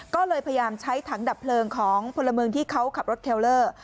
ก็เลยพยายามใช้ถังดับเพลิงของพลเมืองที่เขาขับรถเทลเลอร์